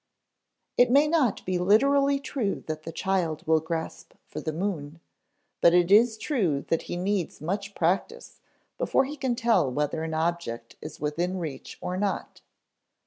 It may not be literally true that the child will grasp for the moon, but it is true that he needs much practice before he can tell whether an object is within reach or not.